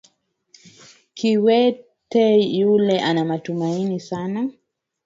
Kiwete yule ana matumaini sana